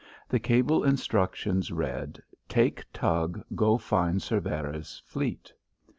The cable instructions read: "Take tug; go find Cervera's fleet."